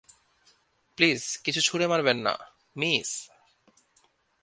Please কিছু ছুড়ে মারবেন না, মিস।